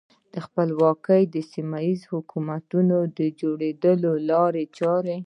د خپلواکو سیمه ییزو حکومتونو د جوړېدو لارې چارې.